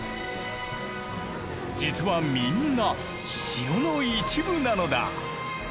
実はみんな城の一部なのだ。